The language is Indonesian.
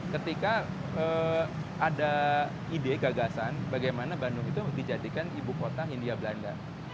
ketika ada ide gagasan bagaimana bandung itu dijadikan ibu kota hindia belanda